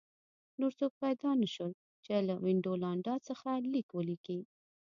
نور څوک پیدا نه شول چې له وینډولانډا څخه لیک ولیکي